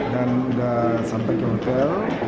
dan sudah sampai ke hotel